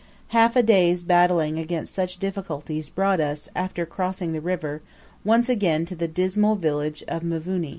Half a day's battling against such difficulties brought us, after crossing the river, once again to the dismal village of Mvumi.